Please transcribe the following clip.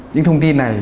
những thông tin này